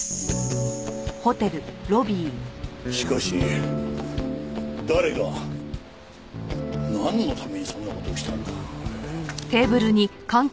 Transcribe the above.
しかし誰がなんのためにそんな事をしたんだ？